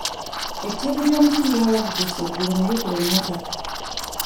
Ettabi ly'omuti lyawaguse eggulo ne likuba emmotoka.